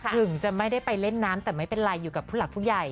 ถึงจะไม่ได้ไปเล่นน้ำแต่ไม่เป็นไรอยู่กับผู้หลักผู้ใหญ่